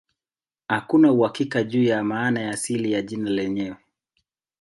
Hakuna uhakika juu ya maana ya asili ya jina lenyewe.